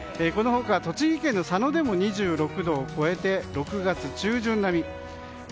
この他、栃木県の佐野でも２６度を超えて６月中旬並み。